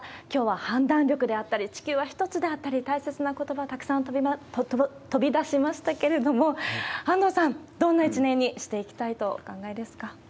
きょうは判断力であったり、地球は一つであったり、大切なことば、たくさん飛び出しましたけれども、安藤さん、どんな一年にしていきたいとお考えですか？